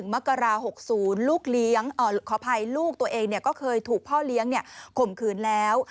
มกรา๖๐ลูกขออภัยลูกตัวเองก็เคยถูกพ่อเลี้ยงข่มขืนแล้ว